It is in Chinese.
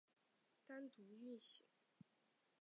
单独运行的定期列车被设定为各站停车。